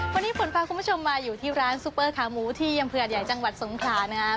วันนี้ผมพาคุณมาชมมาอยู่ที่ร้านซุปเปอร์ขาหมูที่เหยียมเหลือใหญ่จังหวัดสงพลาฯนะรับนะครับ